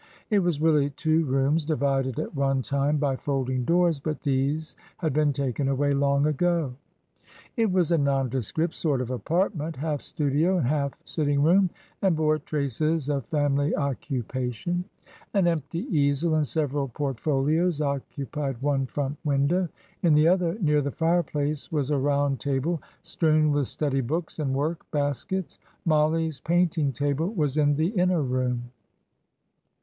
It was really two rooms, divided at one time by folding doors; but these had been taken away long ago. It was a nondescript sort of apartment, half studio and half sitting room, and bore traces of family occupation. An empty easel and several portfolios occupied one front window; in the other, near the fireplace, was a round table, strewn with study books and work baskets. Mollie's painting table was in the inner room.